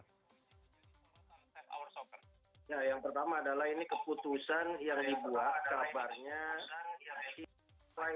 nah yang pertama adalah ini keputusan yang dibuat kabarnya